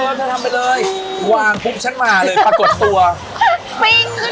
เธอทำไปเลยวางปุ๊บฉันมาเลยปรากฏตัวมาเลยค่ะอ่ะ